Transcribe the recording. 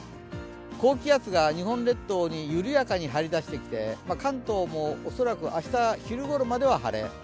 高気圧が日本列島に緩やかに張り出してきて、関東も恐らく明日昼頃までは晴れ。